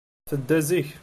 Tedda zik.